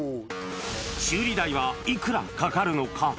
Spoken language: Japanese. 修理代はいくらかかるのか。